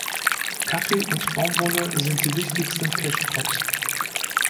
Kaffee und Baumwolle sind die wichtigsten Cash Crops.